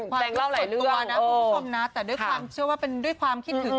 แปลงเล่าหลายเรื่องตัวน้าคอมน้าแต่ด้วยความเชื่อว่าเป็นด้วยความคิดถึง